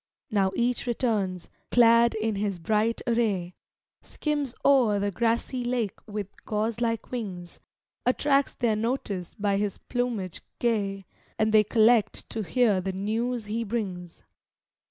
Now each returns, clad in his bright array; Skims o'er the grassy lake with gauze like wings, Attracts their notice by his plumage gay, And they collect to hear the news he brings.